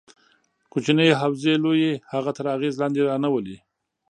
کوچنۍ حوزې لویې هغه تر اغېز لاندې رانه ولي.